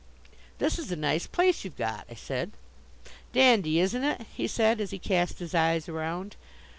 "This is a nice place you've got," I said. "Dandy, isn't it?" he said, as he cast his eyes around.